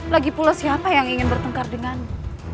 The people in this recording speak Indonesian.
lagi pula siapa yang ingin bertengkar denganmu